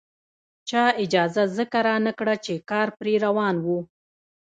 چا اجازه ځکه رانکړه چې کار پرې روان وو.